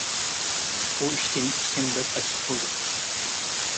بۇ ئىشتىن ئىچىم بەك ئاچچىق بولدى.